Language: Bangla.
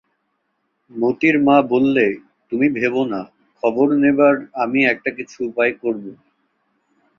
মোতির মা বললে, তুমি ভেবো না, খবর নেবার আমি একটা-কিছু উপায় করব।